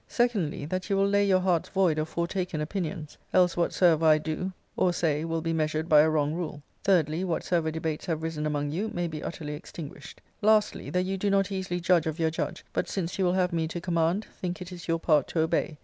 Secondly, that you will lay your hearts void of foretaken opinions ; else, whatsoever I do or say will be measured by a wrong rule. Thirdly, whatsoever debates have risen among you may be utterly extinguished. Lastly, that you do not easily judge of your judge, but, since you will have me to command, think it is your part to obey.